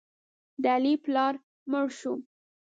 د علي پلار مړ شو.